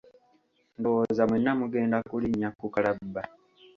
Ndowooza mwenna mugenda kulinnya ku kalabba.